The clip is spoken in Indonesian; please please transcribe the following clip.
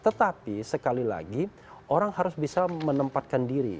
tetapi sekali lagi orang harus bisa menempatkan diri